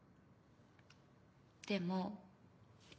でも。